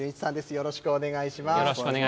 よろしくお願いします。